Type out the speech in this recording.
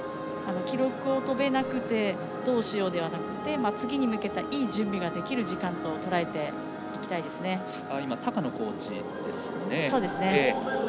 記録を跳べなくてどうしようではなくて次に向けた、いい準備ができる時間と高野コーチですね。